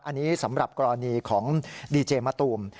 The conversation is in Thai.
อันนี้สำหรับกรณีของดีเจมะตูม